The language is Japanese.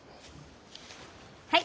はい。